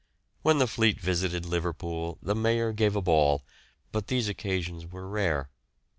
When the fleet visited Liverpool the Mayor gave a ball, but these occasions were rare.